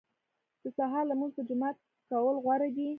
د سهار لمونځ په جومات کې کول غوره دي.